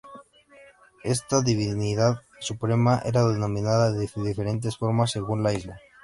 Esta divinidad suprema era denominada de diferentes formas según la isla.